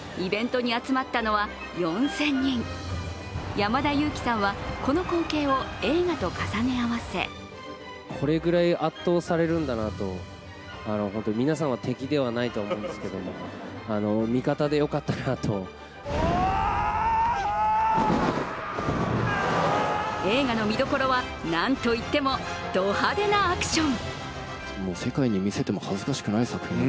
山田裕貴さんはこの光景を映画と重ね合わせ映画の見どころはなんといってもド派手なアクション。